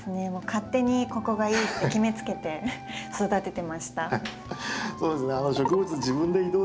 勝手にここがいいって決めつけて育ててました。